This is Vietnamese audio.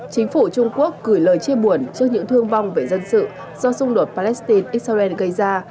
chính phủ trung quốc gửi lời chia buồn trước những thương vong về dân sự do xung đột palestine israel gây ra